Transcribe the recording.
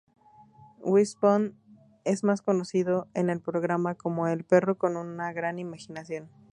Wishbone es más conocido en el programa como "El perro con una gran imaginación".